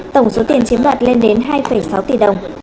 tổng số tiền chiếm đoạt lên đến hai sáu tỷ đồng